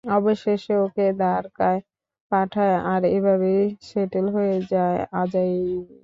অবশেষে, ওকে দ্বারকায় পাঠায় আর এভাবেই সেটেল হয়ে যায়, আজাইরা।